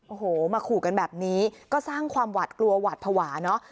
โอ้โหมาขู่กันแบบนี้ก็สร้างความหวาดกลัวหวาดภาวะเนาะ